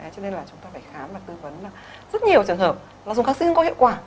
cho nên là chúng ta phải khám và tư vấn là rất nhiều trường hợp nó dùng kháng sinh có hiệu quả